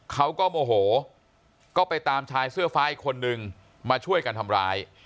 เขาก็โมโหก็ไปตามชายเสื้อฟ้าอีกคนนึงมาช่วยกันทำร้าย